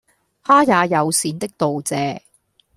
她也友善的道謝